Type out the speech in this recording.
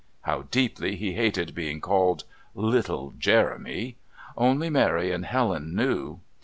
How deeply he hated being called "little Jeremy" only Mary and Helen knew.